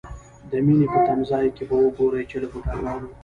د مینې په تمځای کې به وګورئ چې له بوډاګانو.